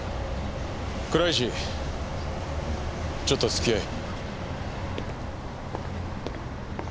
倉石ちょっと付き合え。